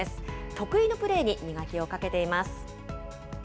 得意のプレーに磨きをかけています。